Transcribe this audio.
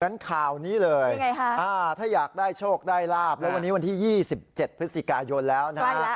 ฉะนี้เลยถ้าอยากได้โชคได้ลาบแล้ววันนี้วันที่๒๗พฤศจิกายนแล้วนะฮะ